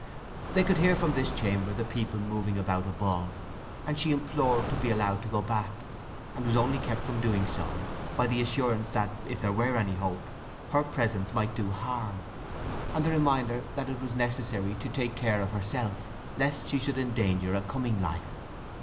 They could hear from this chamber the people moving about above, and she implored to be allowed to go back, and was only kept from doing so by the assurance that, if there were any hope, her presence might do harm, and the reminder that it was necessary to take care of herself lest she should endanger a coming life.